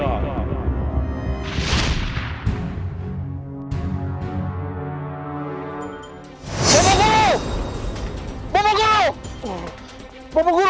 bapak guru bapak guru bapak guru